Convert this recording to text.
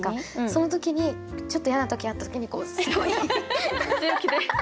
その時にちょっと嫌な時あった時にこうすごい強気で。